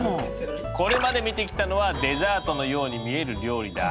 これまで見てきたのはデザートのように見える料理だ。